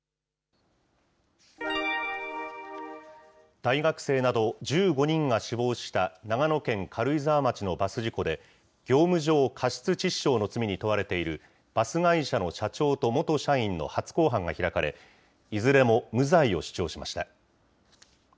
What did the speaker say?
大学生など１５人が死亡した長野県軽井沢町のバス事故で、業務上過失致死傷の罪に問われているバス会社の社長と元社員の初公判が開かれ、いずれも無罪を主張しました。